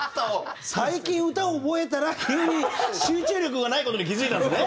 最近歌を覚えたら急に集中力がない事に気付いたんですね。